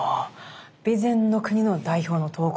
備前国の代表の刀工。